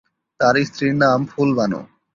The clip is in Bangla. তার স্ত্রীর নাম ফুল বানু।